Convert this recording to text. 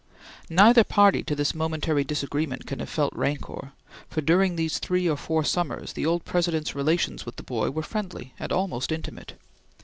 Neither party to this momentary disagreement can have felt rancor, for during these three or four summers the old President's relations with the boy were friendly and almost intimate.